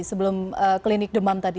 sebelum klinik demam tadi